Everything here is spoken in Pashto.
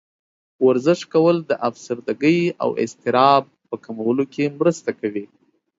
ورزش کول د افسردګۍ او اضطراب په کمولو کې مرسته کوي.